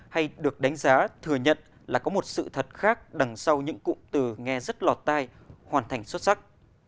hay được đánh giá thừa nhận là có một sự thật khác đằng sau những cụm từ nghe rất lọt tai hoàn thành xuất sắc